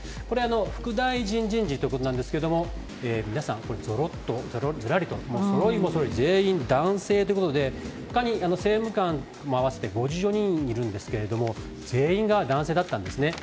副大臣人事ということなんですが皆さん、ずらりとそろいもそろって全員男性ということで他に政務官も合わせて５４人いるんですけれども全員が男性だったんですね。